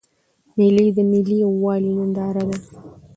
مېلې د ملي یوالي ننداره ده.